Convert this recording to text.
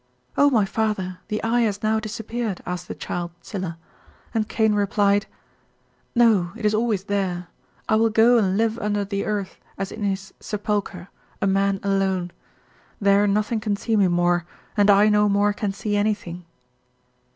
"'Oh, my father, the Eye has now disappeared?' asked the child, Tsilla, and Cain replied: 'No, it is always there! I will go and live under the earth, as in his sepulcher, a man alone. There nothing can see me more, and I no more can see anything.'